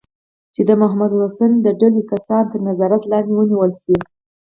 چې د محمود الحسن د ډلې کسان تر نظارت لاندې ونیول شي.